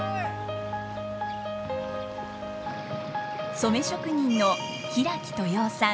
染職人の平木豊男さん。